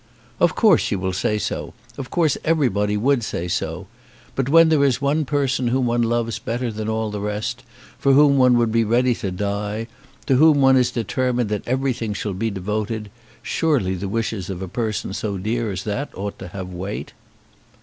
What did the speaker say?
"Of course you will say so. Of course everybody would say so. But when there is one person whom one loves better than all the rest, for whom one would be ready to die, to whom one is determined that everything shall be devoted, surely the wishes of a person so dear as that ought to have weight."